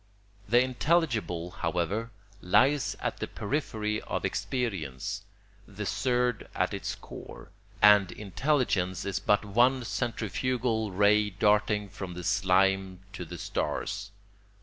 The intelligible, however, lies at the periphery of experience, the surd at its core; and intelligence is but one centrifugal ray darting from the slime to the stars.